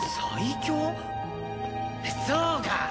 そうか！